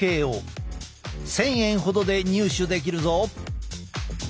１，０００円ほどで入手できるぞ。